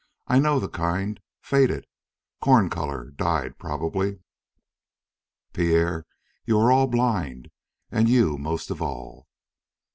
I know the kind faded corn color dyed, probably. Pierre, you are all blind, and you most of all."